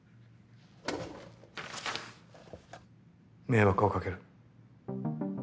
迷惑をかける。